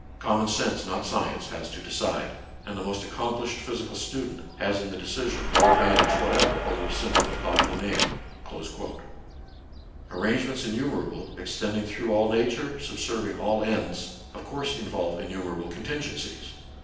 Common sense, not science, has to decide, and the most accomplished physical student has in the deci sion no advantage whatever over a simple but thoughtful man." Arrangements innumerable, extending through all nature, subserving all ends, of course involve innumerable contingencies.